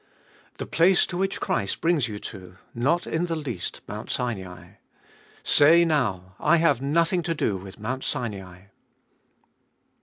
The place to which Christ brings you to, not in the least Mount Sinai. Say now, I have nothing to do with Mount Sinai.